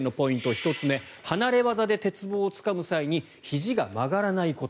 １つ目離れ業で鉄棒をつかむ際にひじが曲がらないこと。